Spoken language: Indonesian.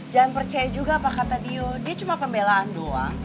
jangan percaya juga apa kata dia cuma pembelaan doang